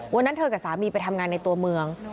วันนั้นเธอกับสามีไปทำงานในตัวเมือง